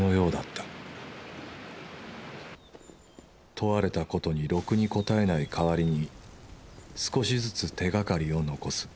問われたことにろくに答えない代わりに少しずつ手がかりを残す。